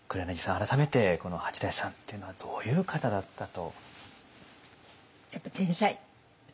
改めてこの八大さんっていうのはどういう方だったと？